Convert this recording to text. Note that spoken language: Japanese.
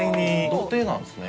「土手なんですね」